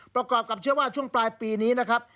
กับเชื่อว่าช่วงปลายปีนี้นะครับ